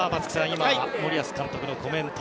今の森保監督のコメント